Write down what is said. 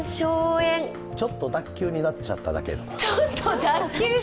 ちょっと脱臼になっちゃっただけ、とか。